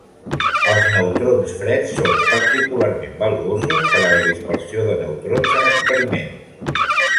Els neutrons freds són particularment valuosos per a la dispersió de neutrons en experiments.